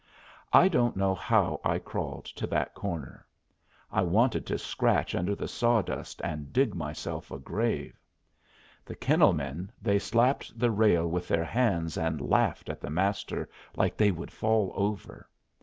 I don't know how I crawled to that corner. I wanted to scratch under the sawdust and dig myself a grave. The kennel men they slapped the rail with their hands and laughed at the Master like they would fall over.